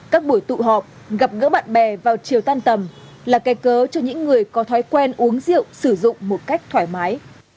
các buổi tụ họp gặp gỡ bạn bè vào chiều tan tầm là cây cớ cho những người có thói quen uống rượu sử dụng một cách thoải mái